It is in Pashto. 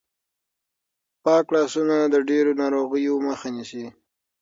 پاک لاسونه د ډېرو ناروغیو مخه نیسي.